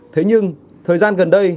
thế nhưng thời gian gần đây